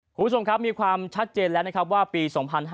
คุณผู้ชมครับมีความชัดเจนแล้วนะครับว่าปี๒๕๕๙